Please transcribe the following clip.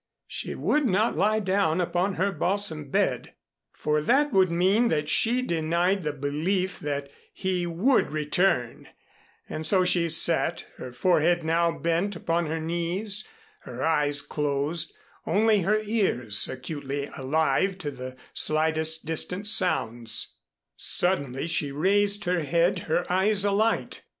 She would not lie down upon her balsam bed; for that would mean that she denied the belief that he would return, and so she sat, her forehead now bent upon her knees, her eyes closed, only her ears acutely alive to the slightest distant sounds. Suddenly she raised her head, her eyes alight.